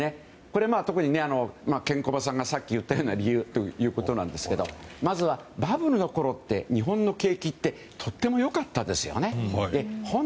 特に、ケンコバさんがさっき言ったような理由ですがまずはバブルのころって日本の景気ってとても良かったですよね。